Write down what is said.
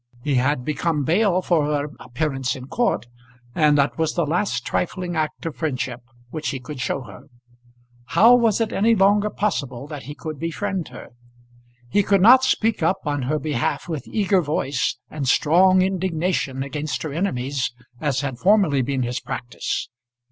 He had become bail for her appearance in court, and that was the last trifling act of friendship which he could show her. How was it any longer possible that he could befriend her? He could not speak up on her behalf with eager voice, and strong indignation against her enemies, as had formerly been his practice.